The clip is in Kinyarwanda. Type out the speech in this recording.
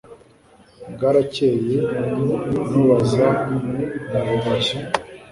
Bwarakeye nu baza mu Rubaya